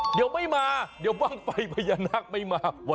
เดี๋ยวบ้างไฟพยานากไปมา